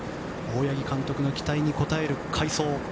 大八木監督の期待に応える快走。